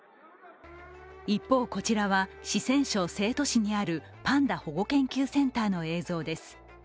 一方、こちらは四川省成都市にあるパンダ保護研究センターの映像です。